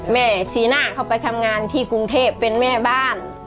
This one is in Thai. ชีน่าเข้าไปทำงานที่กรุงเทพเป็นแม่บ้าน